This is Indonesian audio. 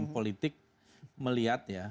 politik melihat ya